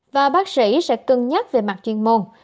và bác sĩ sẽ cân nhắc về mặt chuyên môn